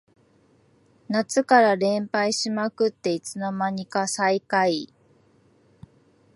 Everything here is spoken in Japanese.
夏から連敗しまくっていつの間にか最下位